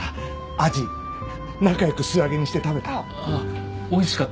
アジ仲良く素揚げにして食べた？